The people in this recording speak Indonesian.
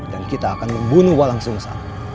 dan kita akan membunuh walang sungsang